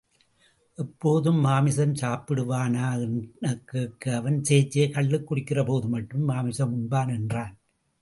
எப்போதும் மாமிசம் சாப்பிடுவானா? என கேட்க அவன் சே.சே.கள்ளுக் குடிக்கிறபோது மட்டுமே மாமிசம் உண்பான் என்றான்.